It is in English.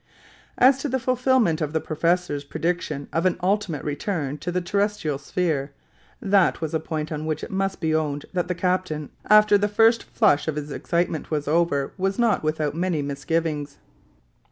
As to the fulfillment of the professor's prediction of an ultimate return to the terrestrial sphere, that was a point on which it must be owned that the captain, after the first flush of his excitement was over, was not without many misgivings.